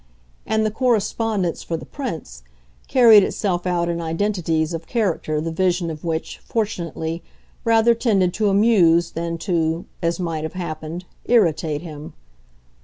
And the correspondence, for the Prince, carried itself out in identities of character the vision of which, fortunately, rather tended to amuse than to as might have happened irritate him.